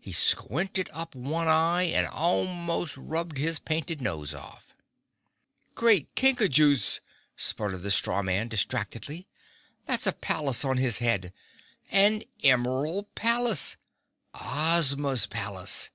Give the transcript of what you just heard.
He squinted up one eye and almost rubbed his painted nose off. "Great Kinkajous!" spluttered the Straw Man distractedly. "That's a palace on his head—an Emerald palace—Ozma's palace!"